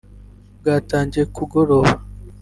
Bwatangiye kugoroba